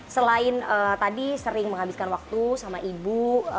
selain tadi sering menghabiskan waktu sama ibu